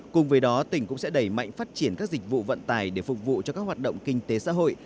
cùng với đó tỉnh cũng sẽ đẩy mạnh phát triển các dịch vụ vận tải để phục vụ cho các hoạt động kinh tế xã hội